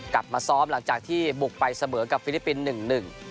กลับมาซ้อมหลังจากที่บุกไปเสมอกับฟิริปินส์๑